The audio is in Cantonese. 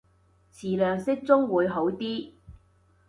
詞量適中會好啲